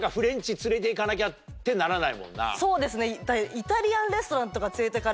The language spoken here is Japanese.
そうですね。